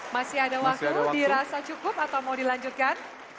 masih ada waktu dirasa cukup atau mau dilanjutkan